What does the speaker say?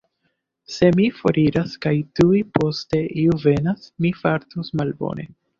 Se mi foriras kaj tuj poste iu venas, mi fartus malbone.